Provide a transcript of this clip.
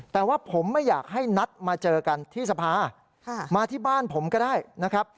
แต่ว่าผมไม่อยากให้นัดมาเจอกันที่สภามาที่บ้านผมก็ได้นะครับ